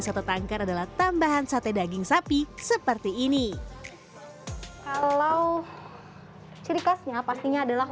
soto tangkar adalah tambahan sate daging sapi seperti ini kalau ciri khasnya pastinya adalah